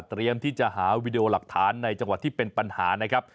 เตรียมที่จะหาวิดีโอหลักฐานในจังหวะที่เป็นปัญหา